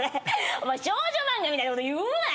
お前少女漫画みたいなこと言うなや。